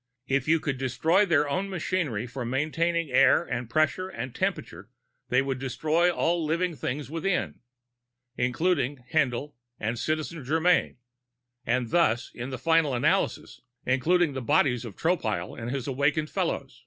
If you could destroy their own machinery for maintaining air and pressure and temperature, they would destroy all living things within including Haendl and Citizen Germyn and thus, in the final analysis, including the bodies of Tropile and his awakened fellows.